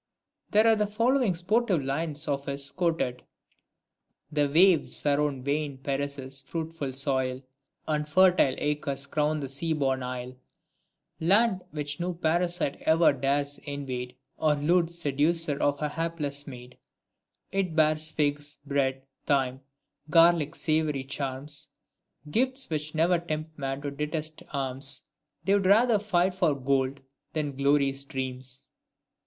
There are the following sportive lines of his quoted :— The waves surround vain Peres' fruitful soil, And fertile acres crown the sea born isle ; Land which no parasite e'er dares invade, Or lewd seducer of a hapleas maid ; It bears figs, bread, thyme, garlic's savoury charms, Gifts which ne'er tempt men to detested arms, They 'd rather fight for gold than glory's dreams.